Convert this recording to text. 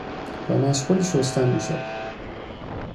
و مشغول شستن میشود